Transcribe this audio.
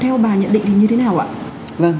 theo bà nhận định thì như thế nào ạ